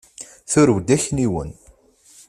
Turew-d akniwen.